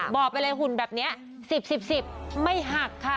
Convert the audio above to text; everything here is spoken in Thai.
บอกไปเลยหุ่นแบบนี้๑๐๑๐๑๐ไม่หักค่ะ